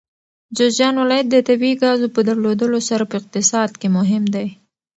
جوزجان ولایت د طبیعي ګازو په درلودلو سره په اقتصاد کې مهم دی.